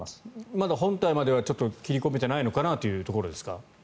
まだ本体までは切り込めていないのかなという感じですか。